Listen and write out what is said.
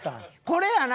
これやな。